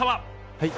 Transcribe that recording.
はい。